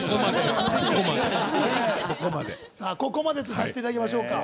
ここまでとさせていただきましょうか。